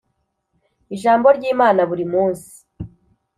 Ijambo ry Imana buri munsi